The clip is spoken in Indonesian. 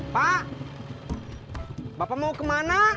pak bapak mau ke mana